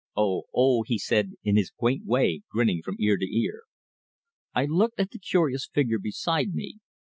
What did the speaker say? Oh! Oh!" he said in his quaint way, grinning from ear to ear. I looked at the curious figure beside me.